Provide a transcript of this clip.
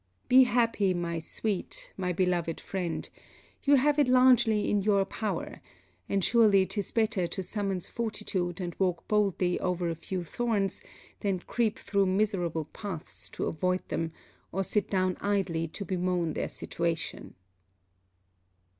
Be happy, my sweet my beloved friend! You have it largely in your power; and surely 'tis better to summons fortitude and walk boldly over a few thorns, than creep through miserable paths to avoid them, or sit down idly to bemoan their situation.